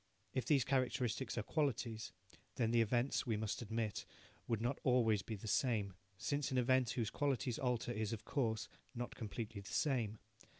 If these characteristics are qualities, then the events, we must admit, would not be always the same, since an event whose qualities alter is, of course, not completely the same.